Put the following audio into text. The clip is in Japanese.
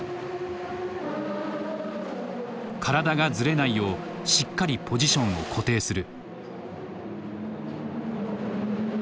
体がズレないようしっかりポジションを固定する。